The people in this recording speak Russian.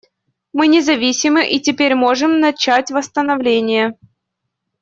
Мы независимы и теперь можем начать восстановление.